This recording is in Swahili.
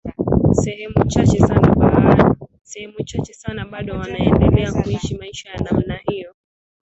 sehemu chache sana bado wanaendelea kuishi maisha ya namna hiyo